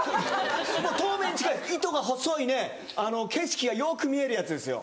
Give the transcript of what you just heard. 透明に近いです糸が細い景色がよく見えるやつですよ。